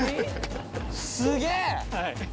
すげえ！